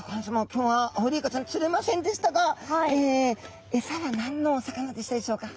今日はアオリイカちゃん釣れませんでしたがエサは何のお魚でしたでしょうか？